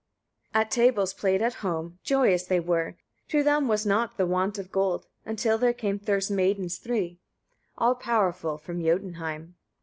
At tables played at home; joyous they were; to them was naught the want of gold, until there came Thurs maidens three, all powerful, from Jötunheim.